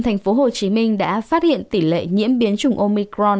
tp hcm đã phát hiện tỷ lệ nhiễm biến chủng omicron